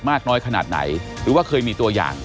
มากน้อยขนาดไหนหรือว่าเคยมีตัวอย่าง